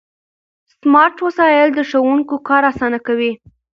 سمارټ وسایل د ښوونکو کار اسانه کوي.